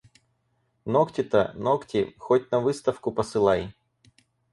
Ногти-то, ногти, хоть на выставку посылай!